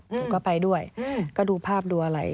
หนูก็ไปด้วยก็ดูภาพดูอะไร